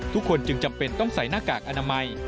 ทุกคนจึงจำเป็นต้องใส่หน้ากากอนามัย